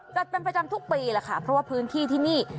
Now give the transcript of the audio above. จัดเป็นประจำทุกปีแหละค่ะเพราะว่าพื้นที่ที่นี่